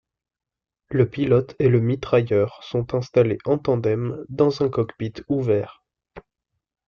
Le pilote et le mitrailleur sont installés en tandem dans un cockpit ouvert.